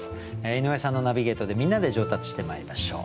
井上さんのナビゲートでみんなで上達してまいりましょう。